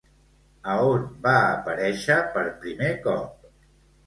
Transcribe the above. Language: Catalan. A on va aparèixer per primer cop?